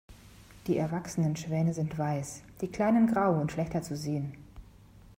Die erwachsenen Schwäne sind weiß, die kleinen grau und schlechter zu sehen.